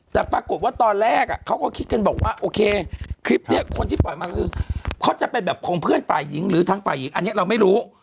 แต่ปรากฏว่าตอนแรกเขาก็คิดกันบอกว่าโอเคคลิปนี้คนที่ปล่อยมาคือเขาจะเป็นแบบของเพื่อนฝ่ายหญิงหรือทางฝ่ายหญิงอันนี้เราไม่รู้